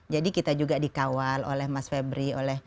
jadi kita juga dikawal oleh mas febri